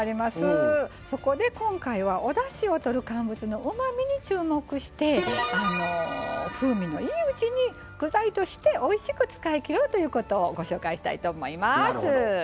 そこで今回はおだしをとる乾物のうまみに注目して風味のいいうちに具材としておいしく使いきるということをご紹介したいと思います。